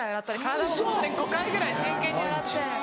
体も５回ぐらい真剣に洗って。